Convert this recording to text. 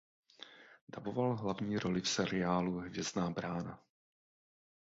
Daboval hlavní roli v seriálu "Hvězdná brána".